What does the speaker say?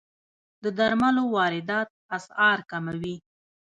د درملو واردات اسعار کموي.